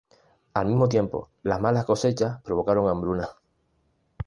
Al mismo tiempo, las malas cosechas provocaron hambrunas.